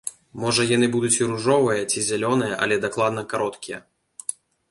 Можа яны будуць і ружовыя, ці зялёныя, але дакладна кароткія.